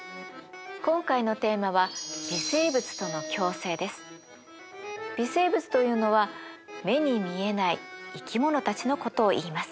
今回のテーマは微生物というのは目に見えない生き物たちのことをいいます。